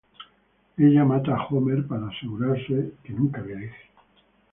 Ella mata a Homer para asegurarse que nunca la deje.